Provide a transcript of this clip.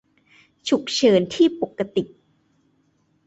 "ฉุกเฉินที่ปกติ"